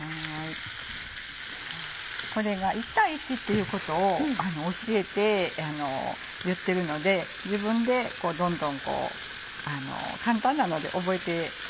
これが１対１っていうことを教えて言ってるので自分でどんどん簡単なので覚えて。